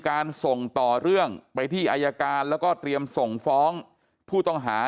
การส่งต่อเรื่องไปที่อายการแล้วก็เตรียมส่งฟ้องผู้ต้องหา